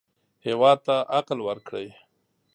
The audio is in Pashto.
هېواد ته عقل ورکړئ